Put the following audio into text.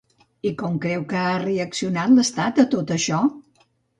I com creu que ha reaccionat l'estat a tot això?